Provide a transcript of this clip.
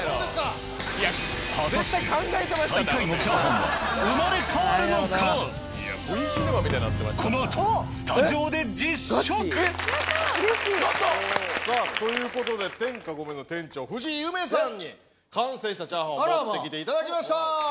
はたしてこのあとスタジオで実食さあということで天下ご麺の店長藤井夢さんに完成したチャーハンを持ってきていただきました。